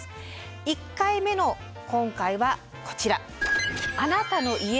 １回目の今回はこちら。